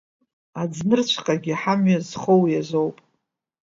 Аӡнырцәҟагьы ҳамҩа зхоу уиазоуп…